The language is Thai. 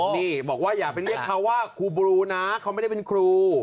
นี่บอกว่าอย่าไปเรียกเขาว่าครูบรูนะเขาไม่ได้เป็นครู